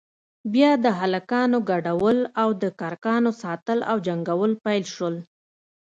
بيا د هلکانو گډول او د کرکانو ساتل او جنگول پيل سول.